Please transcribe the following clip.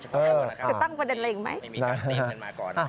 คือตั้งประเด็นอะไรอีกไหม